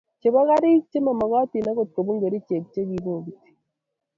Chebo garik che momokotin agot kobun kerichek che kibogoti